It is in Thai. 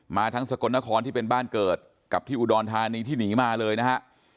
มาทั้งสกลนครที่เป็นบ้านเกิดกับที่อุดรธานีที่หนีมาเลยนะฮะ